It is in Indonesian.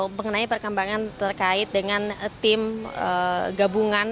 mengenai perkembangan terkait dengan tim gabungan